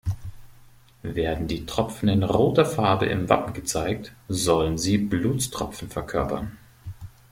Werden die Tropfen in roter Farbe im Wappen gezeigt, sollen sie "Blutstropfen" verkörpern.